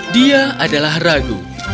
dia adalah ragu